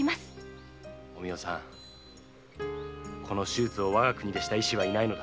この手術をわが国でした医師はいないのだ。